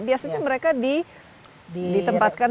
biasanya mereka ditempatkan